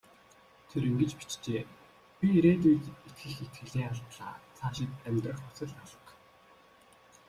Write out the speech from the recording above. Тэр ингэж бичжээ: "Би ирээдүйд итгэх итгэлээ алдлаа. Цаашид амьдрах хүсэл алга".